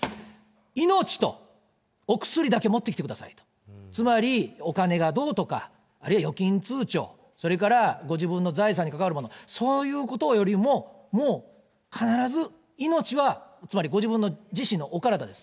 命とお薬だけ持ってきてくださいと、つまりお金がどうとか、あるいは預金通帳、それからご自分の財産に関わるもの、そういうことよりも、もう必ず命は、つまりご自分自身のお体です。